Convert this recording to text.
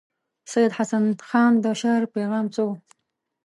سید حسن خان د شعر پیغام څه وو.